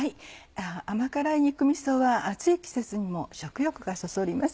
甘辛い肉味噌は暑い季節にも食欲がそそります。